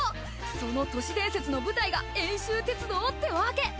その都市伝説の舞台が遠州鉄道ってわけ！